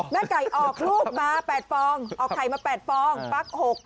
แม่ไก่ออกลูกมา๘ฟองออกไข่มา๘ฟองปั๊ก๖